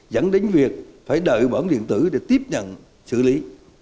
dẫn đến việc phải đợi bản điện tử để tiếp nhận xử lý